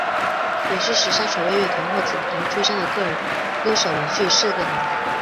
也是史上首位乐团或组合出身的个人歌手连续四个年代。